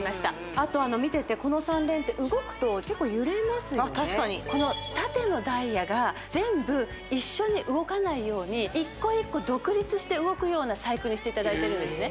あと見ててこの３連って確かにこの縦のダイヤが全部一緒に動かないように一個一個独立して動くような細工にしていただいてるんですね